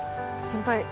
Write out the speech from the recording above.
先輩